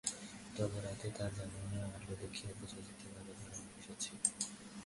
তবে রাতে তার জানালার আলো দেখে বোঝা যেত ঘরে মানুষ আছে।